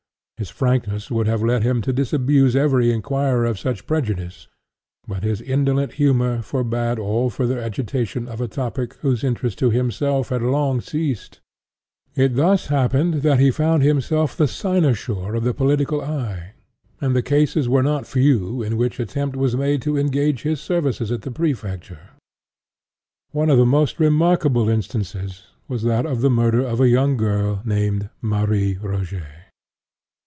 His frankness would have led him to disabuse every inquirer of such prejudice; but his indolent humor forbade all farther agitation of a topic whose interest to himself had long ceased. It thus happened that he found himself the cynosure of the political eyes; and the cases were not few in which attempt was made to engage his services at the Prefecture. One of the most remarkable instances was that of the murder of a young girl named Marie Rogêt.